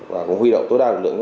và cũng huy động tối đa lực lượng